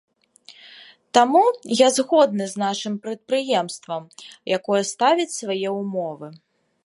Таму я згодны з нашым прадпрыемствам, якое ставіць свае ўмовы.